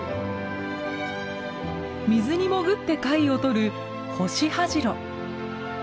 水に潜って貝をとるホシハジロ。